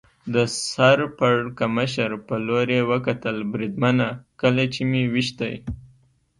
د سر پړکمشر په لور یې وکتل، بریدمنه، کله چې مې وېشتی.